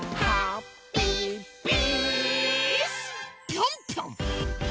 ぴょんぴょん！